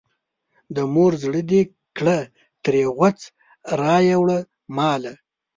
د مور زړه دې کړه ترې غوڅ رایې وړه ماله.